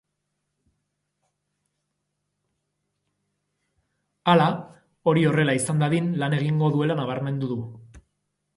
Hala, hori horrela izan dadin lan egingo duela nabarmendu du.